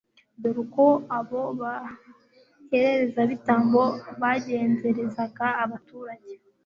dore uko abo baherezabitambo bagenzerezaga abaturage